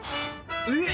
えっ！